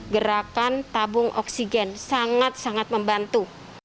gerakan tabung oksigen sangat sangat membantu